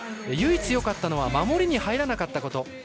唯一よかったのは守りに入らなかったこと。